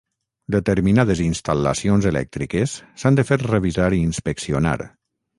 Determinades instal·lacions elèctriques s'han de fer revisar i inspeccionar.